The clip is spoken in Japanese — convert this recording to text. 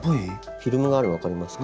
フィルムがあるの分かりますか？